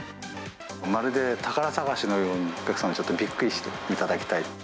まるで宝探しのように、お客様にびっくりしていただきたい。